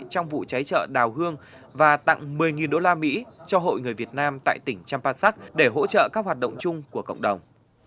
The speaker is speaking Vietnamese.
trong vụ cháy chợ đào hương và tặng một mươi đô la mỹ cho hội người việt nam tại tỉnh champasak để hỗ trợ các hoạt động chung của cộng đồng